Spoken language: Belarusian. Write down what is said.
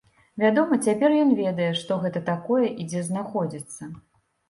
Вядома, цяпер ён ведае, што гэта такое і дзе знаходзіцца.